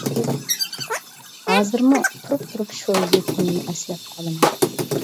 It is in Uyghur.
ھازىرمۇ تۇرۇپ-تۇرۇپ شۇ يېتىمنى ئەسلەپ قالىمەن.